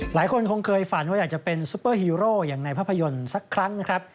หลายคนคงเคยฝันว่าอยากจะเป็นซุปเปอร์ฮีโร่อย่างในภาพยนตร์สักครั้งนะครับ